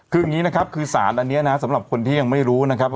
คืออย่างนี้นะครับคือสารอันนี้นะสำหรับคนที่ยังไม่รู้นะครับ